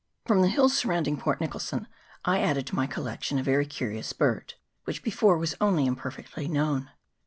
From the hills surrounding Port Nicholson I added to my collection a very curious bird, which before was only imperfectly known.